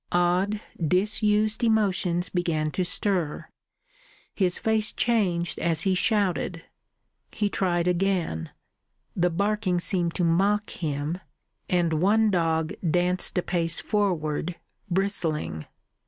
Odd disused emotions began to stir; his face changed as he shouted. He tried again; the barking seemed to mock him, and one dog danced a pace forward, bristling.